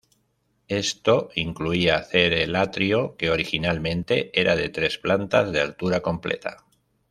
Esto incluía hacer el atrio, que originalmente era de tres plantas, de altura completa.